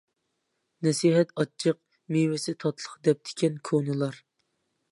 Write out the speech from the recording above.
نەسىھەت ئاچچىق مېۋىسى تاتلىق دەپتىكەن كونىلار.